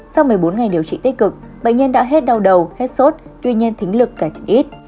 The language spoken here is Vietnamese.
sau một mươi bốn ngày điều trị tích cực bệnh nhân đã hết đau đầu hết sốt tuy nhiên thính lực cải thịnh ít